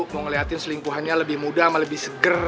mau ngeliatin selingkuhannya lebih mudah sama lebih seger